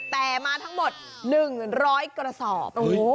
แต่มาทั้งหมด๑๐๐กระสอบ